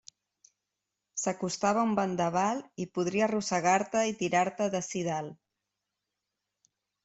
S'acostava un vendaval i podria arrossegar-te i tirar-te d'ací dalt.